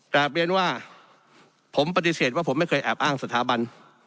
กลับเรียนว่าผมปฏิเสธว่าผมไม่เคยแอบอ้างสถาบัน